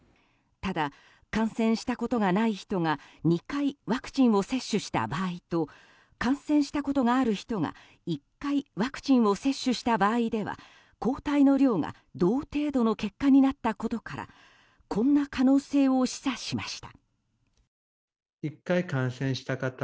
ただ、感染したことがない人が２回ワクチンを接種した場合と感染したことがある人が１回ワクチンを接種した場合では抗体の量が同程度の結果になったことからこんな可能性を示唆しました。